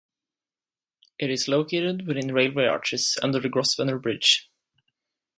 It is located within railway arches under the Grosvenor Bridge.